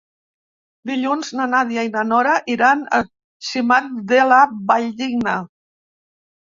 Dilluns na Nàdia i na Nora iran a Simat de la Valldigna.